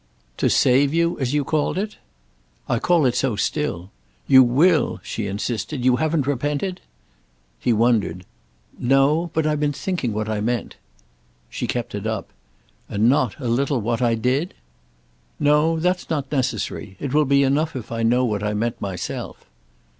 "To 'save' you, as you called it?" "I call it so still. You will?" she insisted. "You haven't repented?" He wondered. "No—but I've been thinking what I meant." She kept it up. "And not, a little, what I did?" "No—that's not necessary. It will be enough if I know what I meant myself."